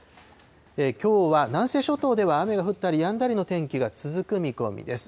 きょうは南西諸島では雨が降ったりやんだりの天気が続く見込みです。